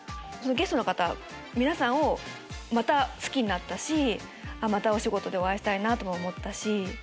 ゲストの方皆さんをまた好きになったしまたお仕事でお会いしたいなとも思ったし。